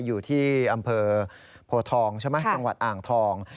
อยู่ที่อำเภอโพทองใช่ไหมจังหวัดอ่างทอง